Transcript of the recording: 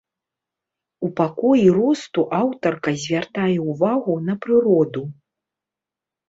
У пакоі росту аўтарка звяртае ўвагу на прыроду.